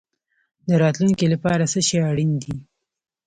د راتلونکي لپاره څه شی اړین دی؟